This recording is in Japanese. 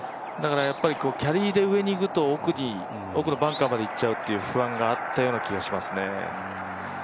だからキャリーで上にいくと奥のバンカーまで行っちゃうという不安があったような気がしますね。